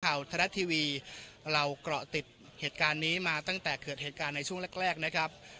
ทรัฐทีวีเราเกาะติดเหตุการณ์นี้มาตั้งแต่เกิดเหตุการณ์ในช่วงแรกแรกนะครับ